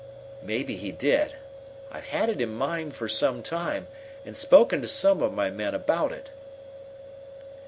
"Maybe he did. I've had it in mind for some time, and spoken to some of my men about it."